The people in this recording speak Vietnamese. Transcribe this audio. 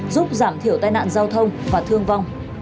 giúp giảm thiểu tai nạn giao thông và thương vong